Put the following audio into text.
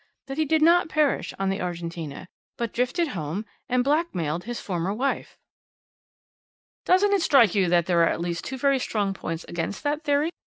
That he did not perish on the Argentina, but drifted home, and blackmailed his former wife." "Doesn't it strike you that there are at least two very strong points against that theory?"